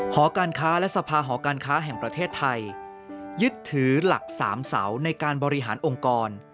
หอการค้าและสภาหอการค้าแห่งประเทศไทยยึดถือหลักสามเสาในการบริหารองค์กร